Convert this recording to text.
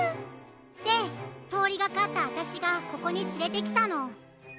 でとおりがかったあたしがここにつれてきたの。